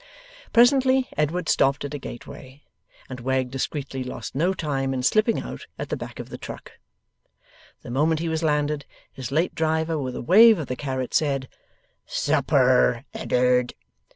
Presently, Edward stopped at a gateway, and Wegg discreetly lost no time in slipping out at the back of the truck. The moment he was landed, his late driver with a wave of the carrot, said 'Supper, Eddard!